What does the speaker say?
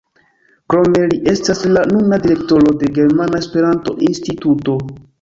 Krome li estas la nuna direktoro de Germana Esperanto-Instituto.